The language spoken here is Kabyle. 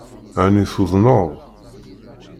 Ɛni tuḍneḍ?